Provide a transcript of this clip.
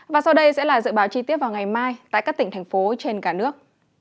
và sau đây sẽ là dự báo chi tiết vào ngày mai tại các tỉnh thành phố trên cả nước